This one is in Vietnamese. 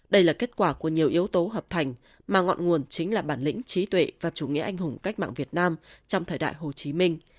đây là kết quả của nhiều yếu tố hợp thành mà ngọn nguồn chính là bản lĩnh trí tuệ và chủ nghĩa anh hùng cách mạng việt nam trong thời đại hồ chí minh